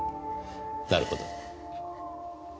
なるほど。